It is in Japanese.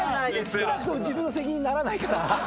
少なくとも自分の責任にならないから。